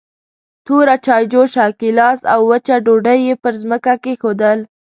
توره چايجوشه، ګيلاس او وچه ډوډۍ يې پر ځمکه کېښودل.